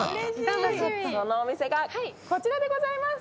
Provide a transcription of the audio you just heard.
そのお店がこちらでございます